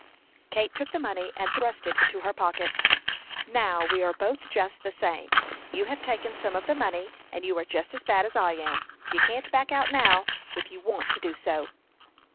Kate took the money, and thrust it into her pocket. "Now we are both just the same. You have taken some of the money, and you are just as bad as I am. You can't back out now, if you want to do so."